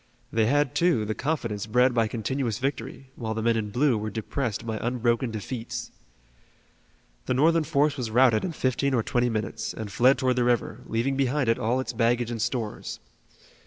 They had, too, the confidence bred by continuous victory, while the men in blue were depressed by unbroken defeats. The Northern force was routed in fifteen or twenty minutes and fled toward the river, leaving behind it all its baggage and stores.